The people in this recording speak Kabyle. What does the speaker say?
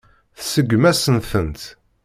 Tseggem-asen-tent.